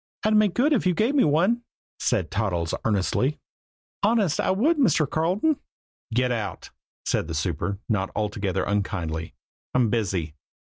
"I'd make good if you gave me one," said Toddles earnestly. "Honest, I would, Mr. Carleton." "Get out!" said the super, not altogether unkindly. "I'm busy."